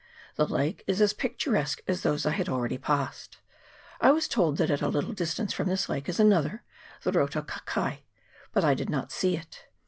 The lake is as pic turesque as those I had already passed. I was told that at a little distance from this lake is another, the Rotu Kakai, but I did not see it.